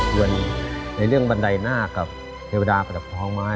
ส่วนในเรื่องบันไดหน้ากับเทวดาประดับท้องไม้